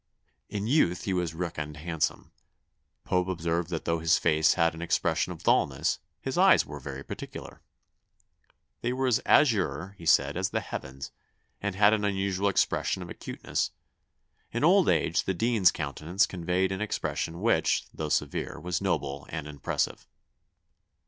... In youth he was reckoned handsome; Pope observed that though his face had an expression of dulness, his eyes were very particular. They were as azure, he said, as the heavens, and had an unusual expression of acuteness. In old age the Dean's countenance conveyed an expression which, though severe, was noble and impressive."